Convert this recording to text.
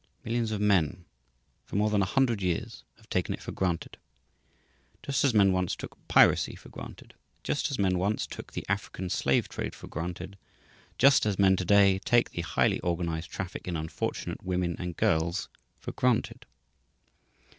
Millions of men, for more than a hundred years, have taken it for granted, just as men once took piracy for granted, just as men once took the African slave trade for granted, just as men to day take the highly organized traffic in unfortunate women and girls for granted.